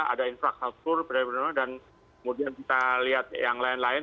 ada infrastruktur dan kemudian kita lihat yang lain lain